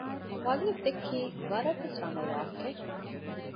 ވަލީދު ދެއްކީ ވަރަށް ވެސް ރަނގަޅު ވާހަކައެއް